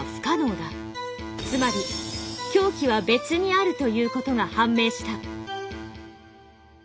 つまり凶器は「別」にあるということが判明した。